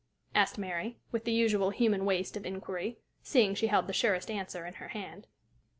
asked Mary, with the usual human waste of inquiry, seeing she held the surest answer in her hand.